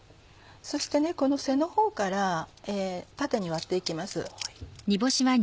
そしてこの背のほうから縦に割って行きます。